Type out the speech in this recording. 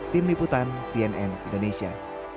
pemiputan cnn indonesia